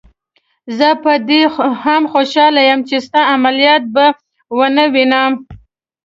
زه په دې هم خوشحاله یم چې ستا عملیات به ونه وینم.